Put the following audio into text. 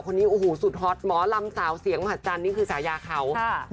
คนนี้สุดฮอตหมอลำสาวเสียงวหัสจันนี่คือสายาเขา